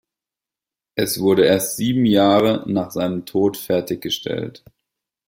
Es wurde erst sieben Jahre nach seinem Tod fertiggestellt.